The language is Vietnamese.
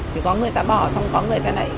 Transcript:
thì có người ta bỏ xong có người ta này